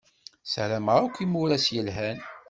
Sarameɣ-ak imuras yelhan.